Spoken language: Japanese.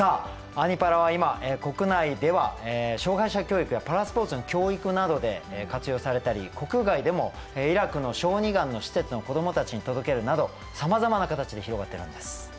「アニ×パラ」は今国内では障害者教育やパラスポーツの教育などで活用されたり国外でもイラクの小児がんの施設の子どもたちに届けるなどさまざまな形で広がっているんです。